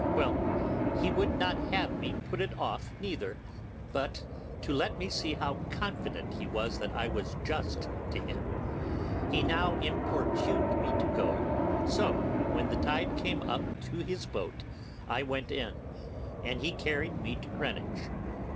Well, he would not have me put it off neither, but to let me see how confident he was that I was just to him, now importuned me to go; so when the tide came up to his boat I went in, and he carried me to Greenwich.